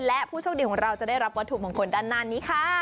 และผู้โชคดีของเราจะได้รับบทธุมของคนดันนั้นนี่ค่ะ